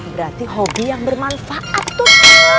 berarti hobi yang bermanfaat tuh